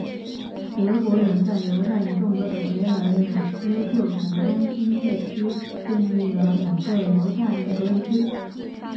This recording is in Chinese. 德国人在犹太人众多的维尔纽斯旧城中心地区建立了两个犹太人隔离区。